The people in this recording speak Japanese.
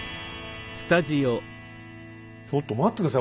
ちょっと待って下さい！